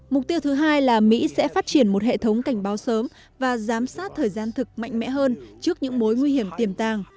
mục tiêu thứ hai là mỹ sẽ phát triển một hệ thống cảnh báo sớm và giám sát thời gian thực mạnh mẽ hơn trước những mối nguy hiểm tiềm tàng